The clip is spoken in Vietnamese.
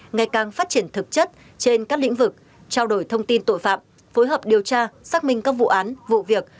ngày càng phát triển thực chất trên các lĩnh vực trao đổi thông tin tội phạm phối hợp điều tra xác minh các vụ án vụ việc